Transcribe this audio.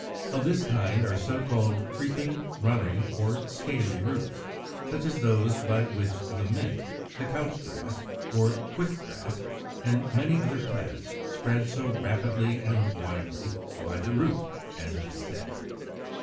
Of this kind are the so called creeping, running, or scaly roots, such as those by which the Mint (Fig. 97), the Couch grass, or Quick grass, and many other plants, spread so rapidly and widely, "by the root," as it is said.